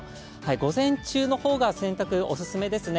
午前中の方が洗濯、お勧めですね。